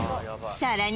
「さらに」